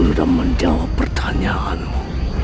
sudah menjawab pertanyaanmu